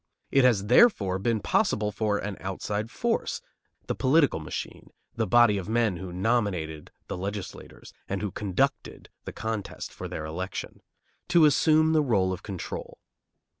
It has, therefore, been possible for an outside force, the political machine, the body of men who nominated the legislators and who conducted the contest for their election, to assume the rôle of control.